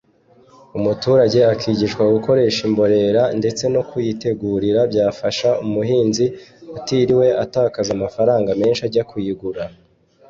umuturage akigishwa gukoresha imborera ndetse no kuyitegurira byafasha umuhinzi atiriwe atakaza amafaranga menshi ajya kuyigura